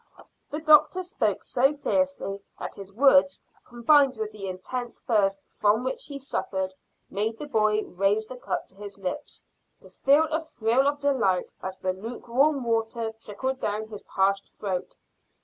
The doctor spoke so fiercely that his words, combined with the intense thirst from which he suffered, made the boy raise the cup to his lips, to feel a thrill of delight as the lukewarm water trickled down his parched throat.